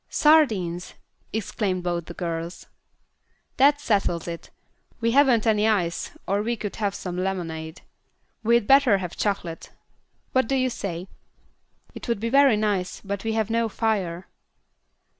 "Sardines!" exclaimed both the girls. "That settles it. We haven't any ice, or we could have some lemonade. We'd better have chocolate. What do you say?" "It would be very nice, but we have no fire."